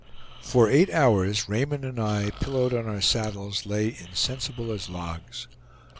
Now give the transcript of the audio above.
For eight hours Raymond and I, pillowed on our saddles, lay insensible as logs.